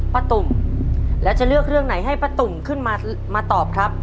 ตุ่มแล้วจะเลือกเรื่องไหนให้ป้าตุ่มขึ้นมาตอบครับ